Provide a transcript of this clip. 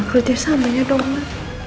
tolong kerjasamanya dong ma